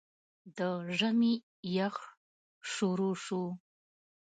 د ژمي يخ شورو شو